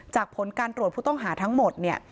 ผลการตรวจผู้ต้องหาทั้งหมดเนี่ย